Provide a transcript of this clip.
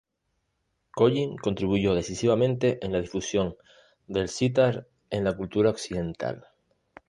Collin contribuyó decisivamente en la difusión del sitar en la cultura occidental.